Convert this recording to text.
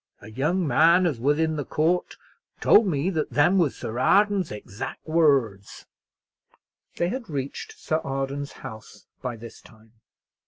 A young man as was in the court told me that them was Sir Arden's exack words." They had reached Sir Arden's house by this time.